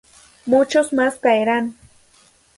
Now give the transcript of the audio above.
Muchos más caerán.